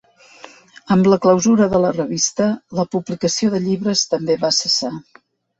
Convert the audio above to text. Amb la clausura de la revista, la publicació de llibres també va cessar.